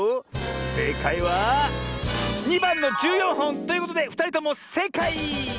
せいかいは２ばんの１４ほんということでふたりともせいかい！